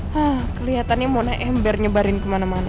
hah keliatannya mona ember nyebarin kemana mana